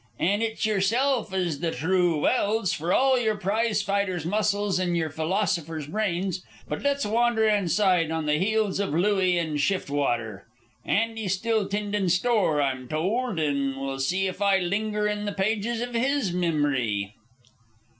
"An' it's yerself is the thrue Welse, for all yer prize fighter's muscles an' yer philosopher's brains. But let's wander inside on the heels of Louis an' Swiftwater. Andy's still tindin' store, I'm told, an' we'll see if I still linger in the pages iv his mimory."